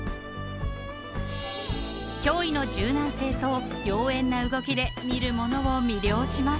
［驚異の柔軟性と妖艶な動きで見る者を魅了します］